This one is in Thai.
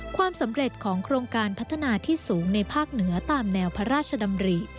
ความสำเร็จของโครงการพัฒนาที่สูงในภาคเหนือตามแนวพระราชดำริ